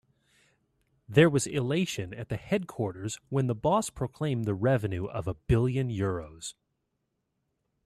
There was elation at the headquarters when the boss proclaimed the revenue of a billion euros.